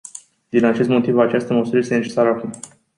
Din acest motiv, această măsură este necesară acum.